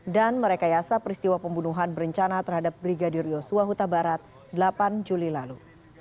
dan merekayasa peristiwa pembunuhan berencana terhadap brigadir yosua huta barat delapan juli lalu